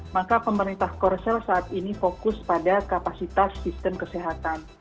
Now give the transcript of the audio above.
maka pemerintah korsel saat ini fokus pada kapasitas sistem kesehatan